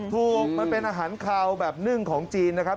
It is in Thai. มันเป็นอาหารคาวแบบนึ่งของจีนนะครับ